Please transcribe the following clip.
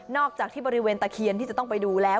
อกจากที่บริเวณตะเคียนที่จะต้องไปดูแล้ว